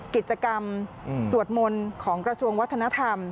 กิจกรรมสวดมนต์ของกระทรวงวัฒนธรรม